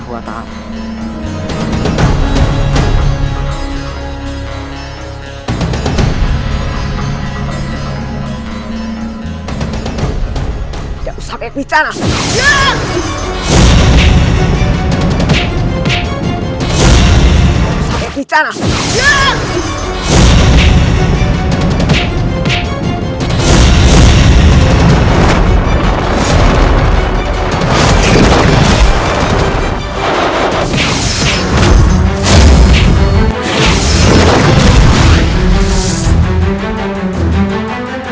jangan usah berpijak